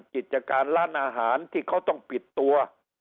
กิจการร้านอาหารที่เขาต้องปิดตัว